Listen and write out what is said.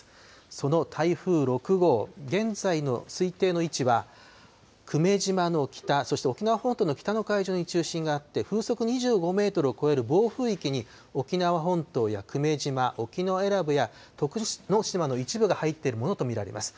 その台風６号、現在の推定の位置は、久米島の北、そして沖縄本島の北の海上に中心があって、風速２５メートルを超える暴風域に沖縄本島や久米島、沖永良部や徳之島の一部が入っているものと見られます。